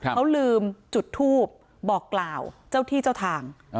เขาลืมจุดทูบบอกกล่าวเจ้าที่เจ้าทาง